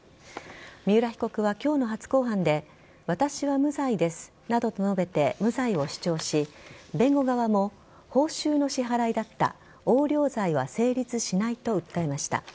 三浦被告は今日の初公判で私は無罪ですなどと述べて無罪を主張し弁護側も、報酬の支払いだった横領罪は成立しないと訴えました。